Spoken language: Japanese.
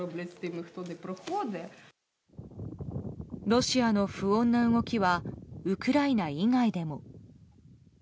ロシアの不穏な動きはウクライナ以外でも。